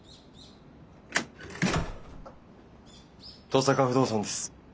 登坂不動産です。